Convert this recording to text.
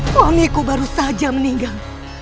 wami ku baru saja meninggal